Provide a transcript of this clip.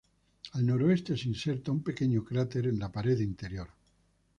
Al noreste se inserta un pequeño cráter en la pared interior.